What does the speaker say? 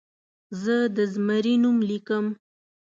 زه د زمري نوم لیکم.